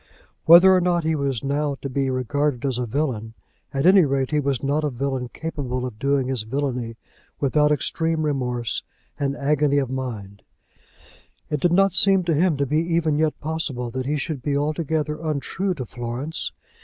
Whether or no he was now to be regarded as a villain, at any rate he was not a villain capable of doing his villany without extreme remorse and agony of mind. It did not seem to him to be even yet possible that he should be altogether untrue to Florence.